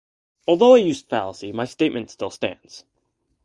Although I used a fallacy, my statement still stands.